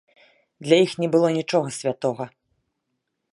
Для іх не было нічога святога.